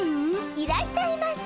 いらっしゃいませ。